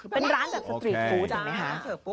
เป็นร้านแบบสตรีทฟู้ดไหมคะ